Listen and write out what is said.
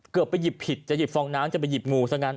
เกือบไปหยิบผิดจะหยิบฟองน้ำจะไปหยิบงูซะงั้น